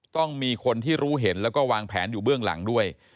ต้องมีคนที่รู้เห็นแล้วก็วางแผนอยู่เบื้องหลังด้วย